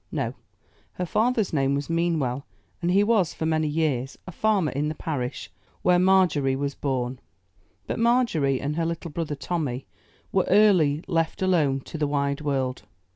No; her father's name was Mean well and he was for many years a farmer in the parish where Margery was born; but Margery and her little brother Tommy, were early left alone to the wide world.